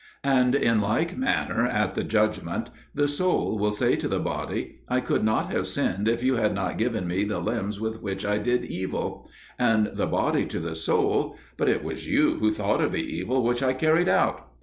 And in like manner at the judgment the soul will say to the body, "I could not have sinned if you had not given me the limbs with which I did evil." And the body to the soul, "But it was you who thought of the evil which I carried out."